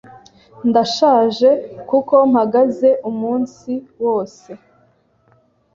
Ndashaje, kuko mpagaze umunsi wose.